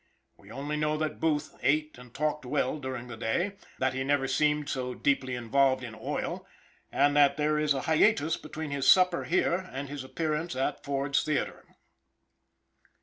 We only know that Booth ate and talked well during the day; that he never seemed so deeply involved in 'oil,' and that there is a hiatus between his supper here and his appearance at Ford's theater.